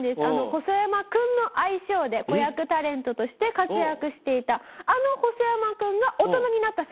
細山くんの愛称で子役タレントとして活躍していたあの細山くんが大人になった姿。